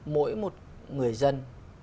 mỗi một người dân